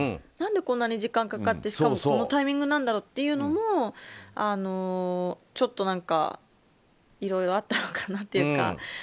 何でこんなに時間がかかってしかも、このタイミングなのかというのもちょっといろいろあったのかなというか。